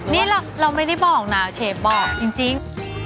นี่เราไม่ได้บอกนะเชฟบอกจริง